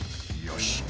よし。